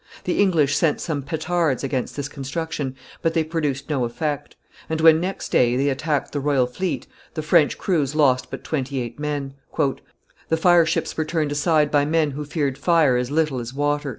The English sent some petards against this construction, but they produced no effect; and when, next day, they attacked the royal fleet, the French crews lost but twenty eight men; "the fire ships were turned aside by men who feared fire as little as water."